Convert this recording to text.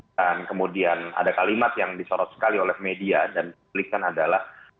dan kemudian ada kalimat yang disorot sekali oleh media dan publikkan adalah